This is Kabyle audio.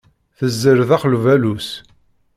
Tezzer daxel ubaluṣ.